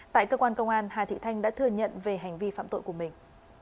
tại cơ quan công an hà thị thanh đã thừa nhận về hành vi phạm tội của mình